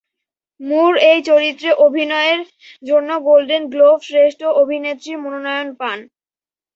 মুর এই চরিত্রে অভিনয়ের জন্য গোল্ডেন গ্লোব শ্রেষ্ঠ অভিনেত্রীর মনোনয়ন পান।